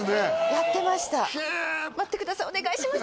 やってました「待ってくださいお願いします